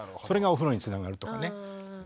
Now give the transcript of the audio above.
それがお風呂につながるとかね。